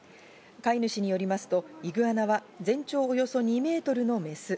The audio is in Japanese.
飼い主によりますとイグアナは全長およそ２ｍのメス。